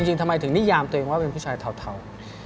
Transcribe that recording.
จริงทำไมถึงนิยามตัวเองว่าเป็นผู้ชายเทา